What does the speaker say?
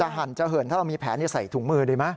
หั่นจะเหินถ้าเรามีแผลใส่ถุงมือดีไหม